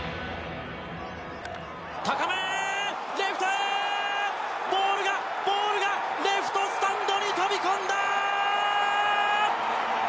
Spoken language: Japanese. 高め、レフトへボールが、ボールがレフトスタンドに飛び込んだ！